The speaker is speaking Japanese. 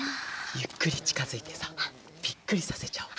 ゆっくりちかづいてさびっくりさせちゃおうよ。